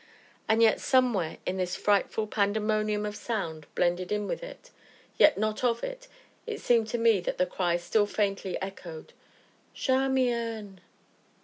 And yet, somewhere in this frightful pandemonium of sound, blended in with it, yet not of it, it seemed to me that the cry still faintly echoed: "Charmian."